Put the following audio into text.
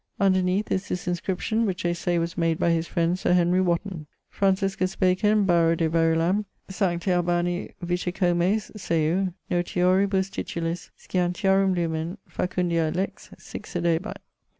Underneath is this inscription which they say was made by his friend Sir Henry Wotton. Franciscus Bacon, Baro de Verulam, Sti Albani Vicecomes, seu, notioribus titulis, Scientiarum Lumen, Facundiae Lex, sic sedebat.